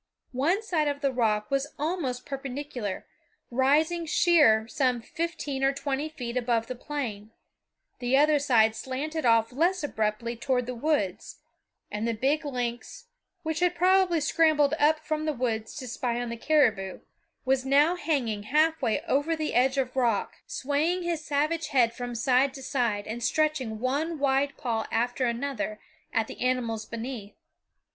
One side of the rock was almost perpendicular, rising sheer some fifteen or twenty feet above the plain; the other side slanted off less abruptly toward the woods; and the big lynx, which had probably scrambled up from the woods to spy on the caribou, was now hanging half over the edge of rock, swaying his savage head from side to side and stretching one wide paw after another at the animals beneath.